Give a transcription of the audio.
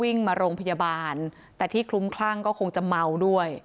วิ่งมาโรงพยาบาลแต่ที่คลุ้มคลั่งก็คงจะเมาด้วย